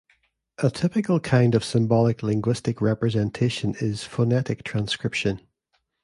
A typical kind of symbolic linguistic representation is phonetic transcription.